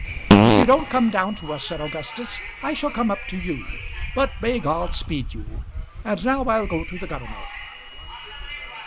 "If you don't come down to us," said Augustus, "I shall come up to you. But may God speed you. And now I'll go to the governor."